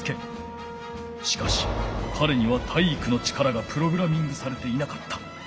しかしかれには体育の力がプログラミングされていなかった。